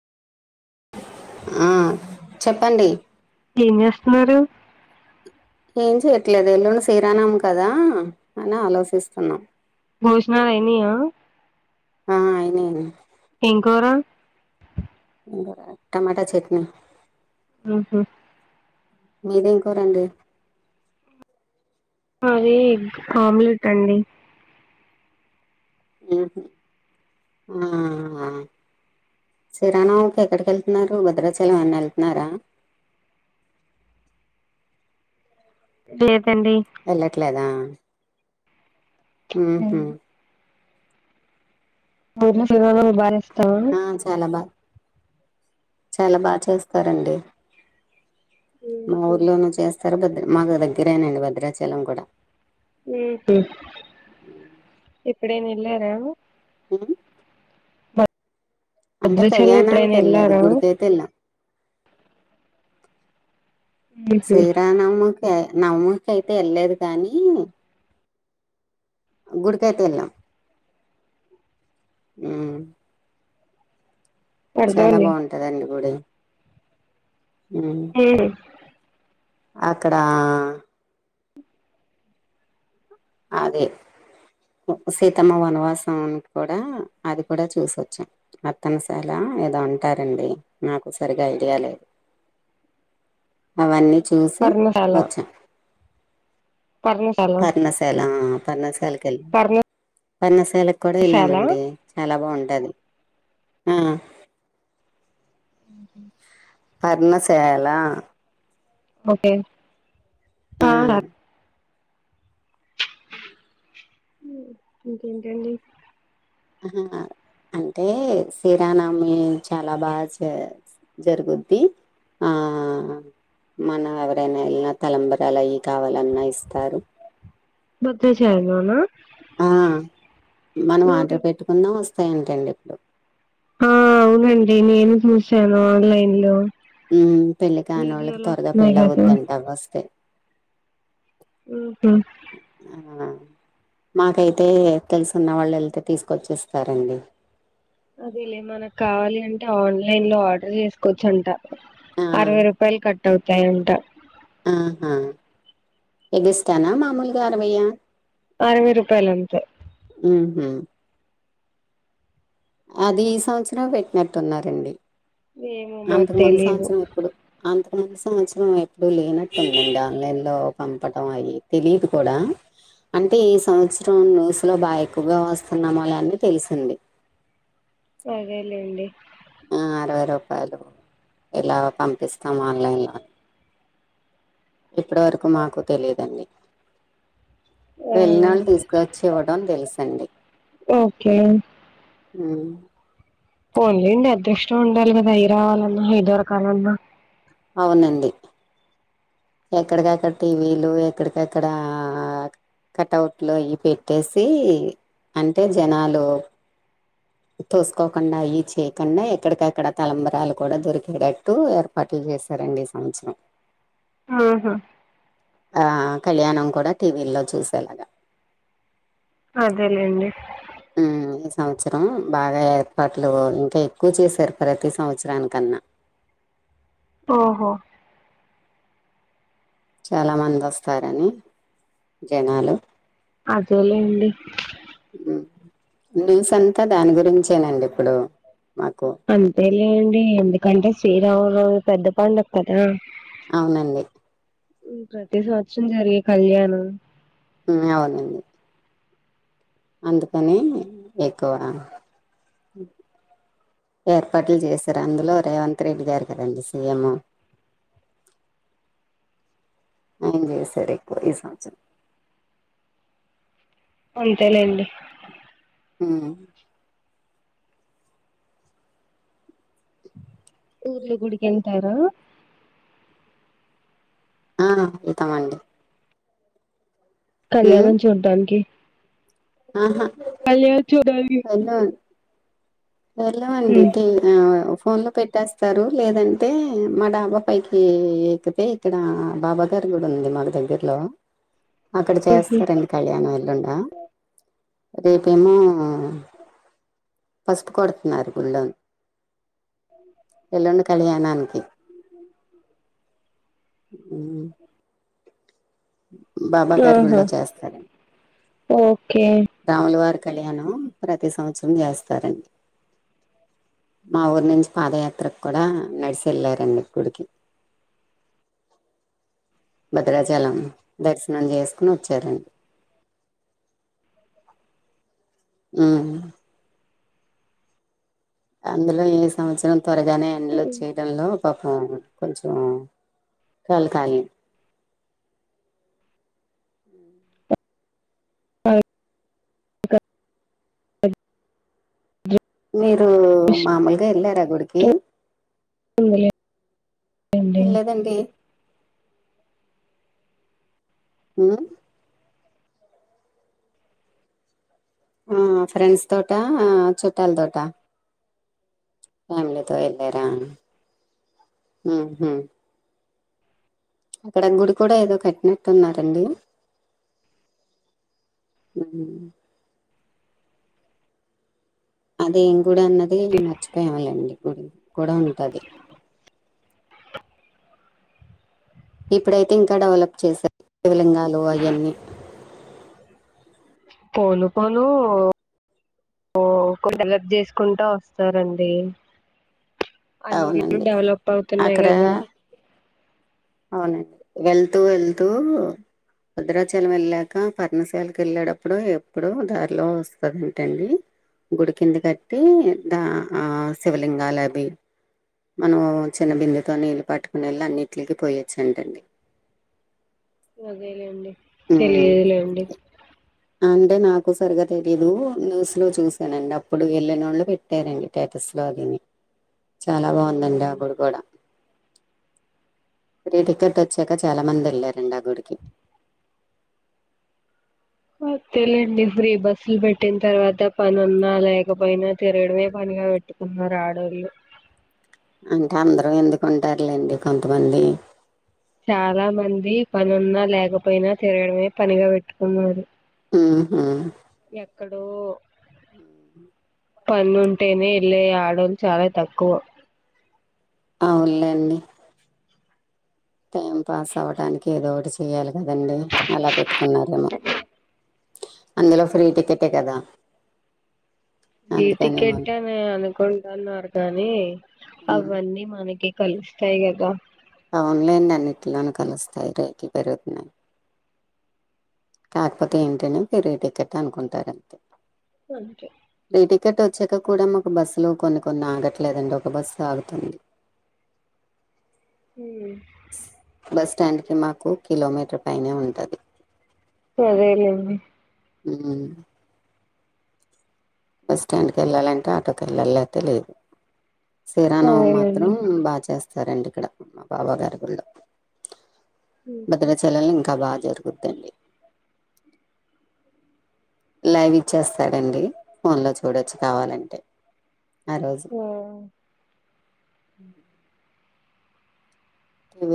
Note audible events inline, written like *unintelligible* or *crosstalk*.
చెప్పండి ఏం చేస్తున్నారు ఏం చేయట్లేదు ఎల్లుడి శ్రీ రామ నవమి కదా అని ఆలోచిస్తున్నాం బోజనాలు అయినాయ ఆ అయినే ఏం కూర టమాటా చట్నీ ఉమ్ హు మీదేం కురండి మాది ఎగ్ ఆమ్లెట్ అండి ఉమ్ హు అవునా శ్రీ రామ నవమి కి ఎక్కడికి వెళ్తున్నారు భద్రాచలం ఏమైన వెళ్తున్నారా లేదు వెళ్ళట్లేదా ఉమ్ హు ఊర్లో శ్రీ రామ నవమి బా చేస్ ఆ చాలా బా చాలా బా చేస్తారండి మా ఉహు ఊర్లోనూ చేస్తారు భద్ర మాకు దగ్గరేనండి భద్రాచలం కూడా ఉమ్ హు ఎప్పుడైనా వెళ్ళారా ఉమ్ అంటే భద్రాచలం కళ్యాణానికి ఎప్పుడైనా వెళ్ళలేదు వెళ్ళారా గుడికైతే వెళ్ళాం ఉహు శ్రీ రామ నవమి కి నవమి కి అయితే వెళ్ళలేదు కానీ గుడికైతే వెళ్ళాం మ్ చాలా అర్థమైంది బాగుంటదండి గుడి హుమ్ ఉమ్ అక్కడా అదే సీతమ్మ వనవాసం అని కూడా అది కూడా చూసొచ్చా నర్తనశాల ఏదో అంటారండి నాకు సరిగా ఐడియా లేదు అవన్నీ చూసి పర్ణశాల వచ్చాం పర్ణశాల పర్ణశాల ఆ పర్ణశాలకి కెల్లం పర్ణ శాలకు కూడా పర్ణశాల వెళ్ళామండి చాలా బాగుంటది ఆ ఉమ్ హు పర్ణశాల ఓకే ఆ ఆ మ్ ఇంకేంటండి ఆ హా అంటే శ్రీరామనవమి చాలా బాగా జ జరుగుద్ది ఆ మనం ఎవరైనా వెళ్లిన తలంబరాలు అవి కావాలన్నా ఇస్తారు భద్రాచలం లో నా ఆ మనం ఊరి ఆర్డర్ పెట్టుకున్నా వస్తాయంటండి ఇప్పుడు ఆ అవునండి నేను చూసాను ఆన్లైన్ లో ఉ పెళ్ళకానీవాళ్ళకి వీడియోలు త్వరగా వస్తున్నాయి పెళ్ళి కదా అవుద్దంట అవ్వొస్తే ఉ హా ఆ! మాకైతే తెలుసున్న వాళ్ళు వెళ్తే తీసుకొచ్చేస్తారండి అదే లే మనకు కావాలి అంటే ఆన్లైన్ లో ఆర్డర్ చేసుకోవచ్చు అంట ఆ! అరవై రూపాయలు కట్ అవుతాయంట ఆహా ఎగిస్తానా మామూలుగా అరవై ఏనా అరవై రూపాయలంతే హుహు. అది ఈ సంవత్సరం పెట్టినట్టున్నారండి ఏమో మాకు అంతకు ముందు తెలీదు సంవత్సరం పెట్టలే అంతకు పోయిన సంవత్సరం అప్పుడు లేనట్టు ఉంది ఆన్లైన్ లో పంపడం అవి తెలిదు కూడా అంటే ఈ సంవత్సరం న్యూస్ లో బాగా ఎక్కువే వస్తున్నాము లే అని తెలిసింది *unintelligible* ఆడిలెండి అరువై రూపాయలు ఇలా పంపిస్తాం ఆన్లైన్లో ఇప్పటివరకు మాకు తెలిదండి ఆ వెలినాళ్ళు తీసుకువచ్చి ఇవ్వడం తెలుసండి ఓకే హుమ్ పోన్లేండి అదృష్టం ఉండాలి కదా అవి రావాలన్నా ఏ దొరకాలన్నా అవునండి ఎక్కడికక్కడ టీవీలు ఎక్కడికక్కడ కటవుట్లో ఇవి పెట్టేసి అంటే జనాలు తోసుకోకుండా అవి చేయకుండా ఎక్కడికక్కడ తలంబరాలు కూడా దొరికేటట్టు ఏర్పాటు చే చేసరండి ఈ సంవత్సరం ఆహా ఆ కళ్యాణం కూడా టీవీల్లో చూసేలాగా అదేలేండి హుమ్ ఈ సంవత్సరం బాగా ఏర్పాట్లు ఇంకా ఎక్కువ చేశారు ప్రతి సంవత్సరాని కన్నా *unintelligible* ఆహా చాలా మంది వస్తారని జనాలు అదే లేండి ఉమ్, న్యూస్ అంతా దాని గురించేనండి ఇప్పుడు మాకు అంతే లెండి ఎందుకంటే శ్రీరామనవమి పెద్ద పండుగ కదా అవునండి ప్రతి సంవత్సరం జరిగే కళ్యాణం అవునండి అందుకని ఎక్కువ ఏర్పాట్లు చేశారు అందులో రేవంత్ రెడ్డి గారు కదండి సీఎం అ సరేపోయి ఈ సంవత్సరం అంతేలేండి హ ఊర్లో గుడికెళ్తారా ఆ ఏళ్తామండి కళ్యాణం చూడ్డానికి కళ్యాణ చూడు అనా ఉమ్ *inaudible* ఫోన్ లో పెట్టేస్తారు లేదంటే మా డాబా పైకి ఎక్కితే ఇక్కడ బాబా గారు గుడి ఉంది మాకు దగ్గర్లో అక్కడ ఉహు చేస్తారండి కళ్యాణం ఎల్లుడి రేపేమో ఫస్ట్ కొడుతున్నారు గుళ్ళోని ఎల్లుండి కళ్యాణానికి అ బాబా ఆహా గారుగుళ్లో చేస్తారండి ఓకే రాముల వారి కళ్యాణం ప్రతి సంవత్సరం చేస్తారండి మా ఊరు నుంచి పాదయాత్రకు కూడా నడిసె వెళ్ళారండి గుడికి భద్రాచలం దర్శనం చేసుకుని వచ్చారండి ఉమ్ అందులో ఇ సంవత్సరం త్వరగానే ఎండలో చేయడంలో పాపం కొంచెం కళకాలీ వాళ్ళకి మీరు అదృష్టం మామూలుగా వెళ్ళారా గుడికి ఉందిలేండి వెళ్లలేదండి అ ఆ ఫ్రెండ్స్ తోట చుట్టాల తోట ఫ్యామలీతో ఎలార అక్కడ గుడి కూడా ఏదో కట్టినట్టు ఉన్నారండి అ అదేం కూడా అన్నది మర్చిపోవాలండి కూడా ఉంటది ఇప్పుడైతే ఇంకా డెవలప్ చేసారు శివలింగాలు అవన్నీ పోను పోను ఓ కొంచ హలప్ చేసుకుంటా వస్తారండి అ నూరులు అవునండి డెవలప్ అవుతున్నాయి అక్కడ కదా అవునండి వెళ్తూ వెళ్తూ భద్రాచలం వెళ్ళాక పర్ణశాలకి వెళ్ళేటప్పుడు ఎప్పుడు దారిలో వస్తుందంటండి గుడికింది కట్టి ద ఆ శివలింగాలు అవి మనము చిన్న బిందుతో నీళ్ళు పట్టుకునేళ్ళు అన్నింటికి పోయొచ్చు అంటండి అదేలేండి ఉమ్ తెలియదులేండి అంటే నాకు సరిగా తెలియదు న్యూస్ లో చూసానండి అప్పుడు వెళ్ళిన వాళ్ళు పెట్టారండి స్టేటస్ లోని చాలా బాగుందండి ఆ అదేలేండి గుడి కూడా ఫ్రీ టికెట్ వచ్చాక చాలా మంది వెళ్లండి ఆ గుడికి తెలిండి ఫ్రీ బస్సులు పెట్టిన తర్వాత పని ఉన్నా లేకపోయినా తిరగడమే పని వెట్టుకున్నరూ ఆడాళ్ళు అంటే అందరూ ఎందుకుంటారులేండి కొంతమంది చాలా మంది పనిన్నా లేకపోయినా తిరగడమే పనిగా పెట్టుకున్నారు ఆ హా ఎక్కడ అ పన్లుంటేనే ఏళ్లే ఆడోలు చాలా తక్కువ అవునులేండి టైం పాస్ అవడానికి ఏదో ఒకటి చెయాలి కదండీ అలా పెట్ ట్టుకున్నేమో అందులో ఫ్రీ టికెట కదా ఫ్రీ అందుకనేమో టికెట్ అని అనుకుంటున్నారు కానీ హ్మ్. అవన్నీ మనకి కలిస్తస్తా కదా అవున్లైండి అన్నింటిలో కలుస్తాయి రేట్లు పెరుగుతున్నాయి కాకపోతే ఏంటనే ఫ్రీ టికెట్ అనుకుంటారు అంతే అంతే ఫ్రీ టికెట్ వచ్చాక కూడా మాకు బస్సులు కొన్ని కొన్ని ఆగట్లేదండి ఒక బస్సు ఆగుతుంది హ బస్ స్టాండ్కి మాకు కిలోమీటర్ పైన ఉంటుంది సరేలేడి హ బస్టాండ్ కేళ్ళాలంటే ఆటోకెళ్ళాలి లేతే లేదు శ్రీరామనవమి మాత్రం అదేలేండి బాగా చేస్తారండి ఇక్కడ మా బాబా గారి గుళ్ళో ఉహు. భద్రాచలంలో ఇంకా బాగా జరుగుదండి లైవ్ ఇచ్చేస్తాడండి ఫోన్లో చూడొచ్చు కావాలంటే ఆ రోజు ఆ టీవీ